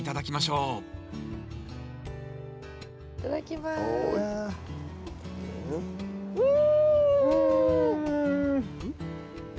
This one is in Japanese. うん。